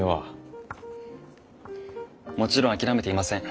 もちろん諦めていません。